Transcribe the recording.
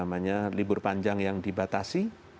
apa namanya libur panjang yang dibatasi